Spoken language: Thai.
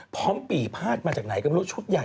พร้อมปลี่พาทมาจากไหนกรมรถชุดใหญ่